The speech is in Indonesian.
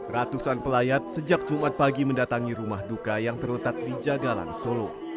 ratusan pelayat sejak jumat pagi mendatangi rumah duka yang terletak di jagalan solo